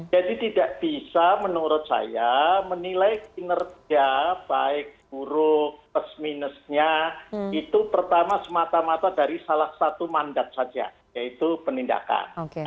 jadi tidak bisa menurut saya menilai kinerja baik buruk pers minusnya itu pertama semata mata dari salah satu mandat saja yaitu penindakan